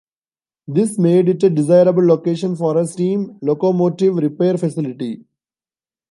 This made it a desirable location for a steam locomotive repair facility.